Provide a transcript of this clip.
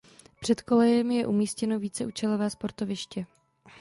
Před kolejemi je umístěno víceúčelové sportoviště.